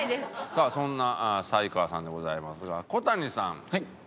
さあそんな才川さんでございますが小谷さん彦摩呂さん